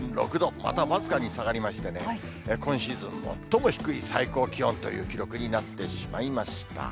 また僅かに下がりましてね、今シーズン最も低い最高気温という記録になってしまいました。